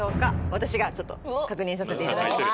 私が確認させていただきます